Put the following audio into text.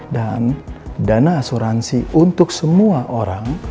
dan dana asuransi untuk semua orang